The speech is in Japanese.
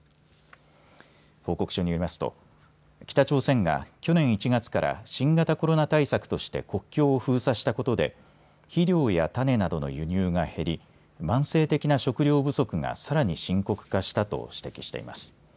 報告書によりますと北朝鮮が去年１月から新型コロナ対策として国境を封鎖したことで肥料や種などの輸入が減り慢性的な食料不足がさらに深刻化したと指摘しています。